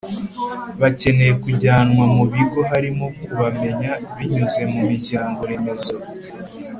bakeneye kujyanwa mu bigo harimo kubamenya binyuze mu miryango remezo